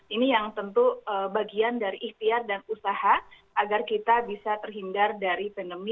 ini yang tentu bagian dari ikhtiar dan usaha agar kita bisa terhindar dari pandemi